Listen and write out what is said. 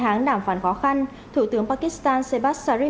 sau tám tháng đàm phản khó khăn thủ tướng pakistan sebas sharif